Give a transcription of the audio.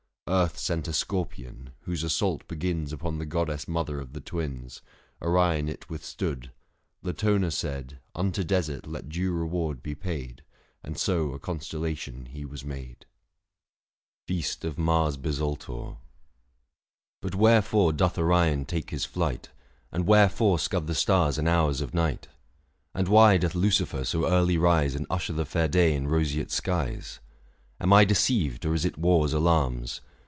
Earth sent a scorpion, whose assault begins 610 Upon the goddess mother of the Twins — Orion it withstood : Latona said, Unto desert let due reward be paid, And so a constellation he was made. IV. ID. MAI. FEAST OF MAES BISULTOE. But wherefore doth Orion take his flight, 615 And wherefore scud the stars and hours of night ? And why doth Lucifer so early rise And usher the fair day in roseate skies ? Am I deceived — or is it war's alar'ms